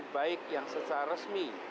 baik yang secara resmi